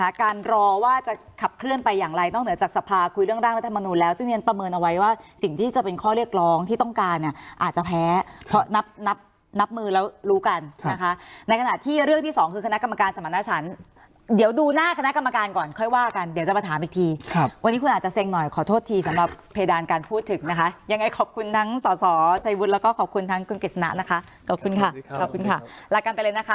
ว่าคุณบอกว่าคุณบอกว่าคุณบอกว่าคุณบอกว่าคุณบอกว่าคุณบอกว่าคุณบอกว่าคุณบอกว่าคุณบอกว่าคุณบอกว่าคุณบอกว่าคุณบอกว่าคุณบอกว่าคุณบอกว่าคุณบอกว่าคุณบอกว่าคุณบอกว่าคุณบอกว่าคุณบอกว่าคุณบอกว่าคุณบอกว่าคุณบอกว่าคุณบอกว่าคุณบอกว่าคุณบอกว่าคุณบอกว่าคุณบอกว่าคุ